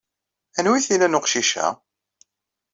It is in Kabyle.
Anwa ay t-ilan weqcic-a?